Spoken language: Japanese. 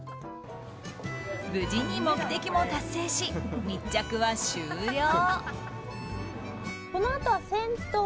無事に目的も達成し密着は終了。